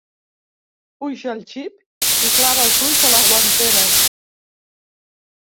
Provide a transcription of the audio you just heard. Puja al jeep i clava els ulls a la guantera.